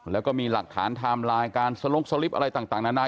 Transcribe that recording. แล้วก็มีหลักฐานไทม์ไลน์การสลงสลิปอะไรต่างนานา